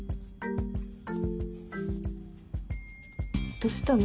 どしたの？